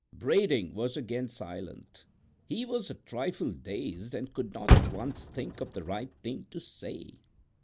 Brading was again silent; he was a trifle dazed and could not at once think of the right thing to say.